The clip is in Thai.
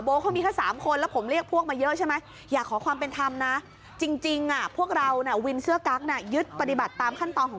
โบ๊ะเขามีแค่๓คนแล้วผมเรียกพวกมาเยอะใช่ไหม